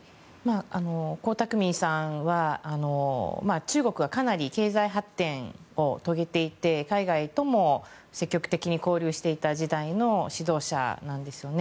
江沢民さんは、中国がかなり経済発展を遂げていて海外とも積極的に交流していた時代の指導者なんですよね。